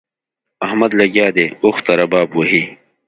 احمد لګيا دی؛ اوښ ته رباب وهي.